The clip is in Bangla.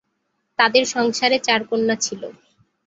তাদের সংসারে চার কন্যা ছিল।